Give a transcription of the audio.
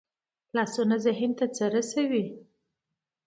لاسونه ذهن ته څه رسوي